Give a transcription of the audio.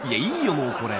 もうこれ。